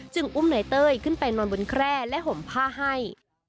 อุ้มนายเต้ยขึ้นไปนอนบนแคร่และห่มผ้าให้